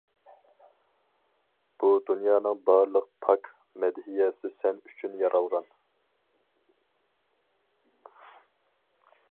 بۇ دۇنيانىڭ بارلىق پاك مەدھىيەسى سەن ئۈچۈن يارالغان.